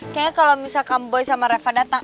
kayaknya kalau misalkan boy sama reva datang